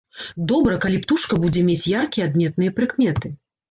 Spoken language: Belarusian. Добра, калі птушка будзе мець яркія адметныя прыкметы.